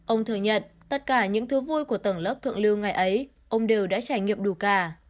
ông thừa nhận tất cả những thứ vui của tầng lớp thượng lưu ngày ấy ông đều đã trải nghiệm đủ cả